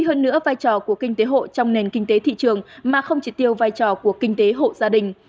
hậu giang không chỉ tiêu vai trò của kinh tế hộ trong nền kinh tế thị trường mà không chỉ tiêu vai trò của kinh tế hộ gia đình